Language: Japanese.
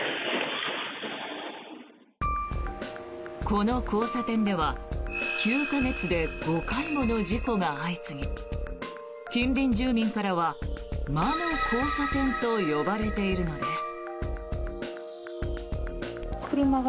この交差点では９か月で５回もの事故が相次ぎ近隣住民からは魔の交差点と呼ばれているのです。